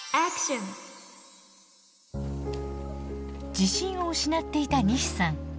自信を失っていた西さん。